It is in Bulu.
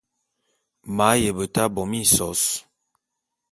M’ aye beta bo minsos.